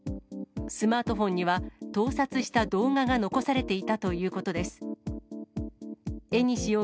スマートフォンには盗撮した動画が残されていたということです。